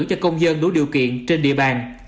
cho công dân đủ điều kiện trên địa bàn